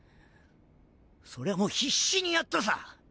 そりゃもう必死にやったさ。